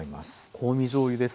香味じょうゆです。